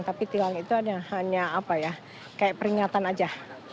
tapi tilang itu hanya apa ya kayak peringatan aja